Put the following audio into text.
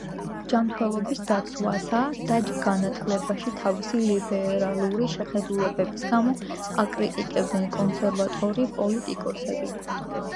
ჯანმრთელობის დაცვასა და განათლებაში თავისი ლიბერალური შეხედულებების გამო აკრიტიკებდნენ კონსერვატორი პოლიტიკოსები.